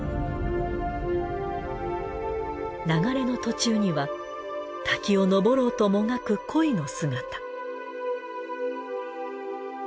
流れの途中には滝を登ろうともがく鯉の姿。